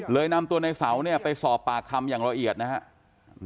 นำตัวในเสาเนี่ยไปสอบปากคำอย่างละเอียดนะครับ